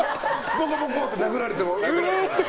ボコボコって殴られても。